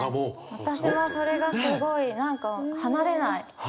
私はそれがすごい何か離れない。